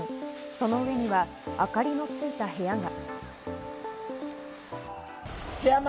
その上には明かりのついた部屋が。